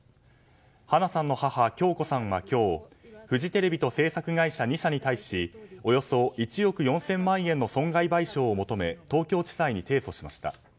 花さんの母・響子さんは今日フジテレビと製作会社２社に対しおよそ１億４０００万余りの損害賠償を求め東京地裁に提訴しました。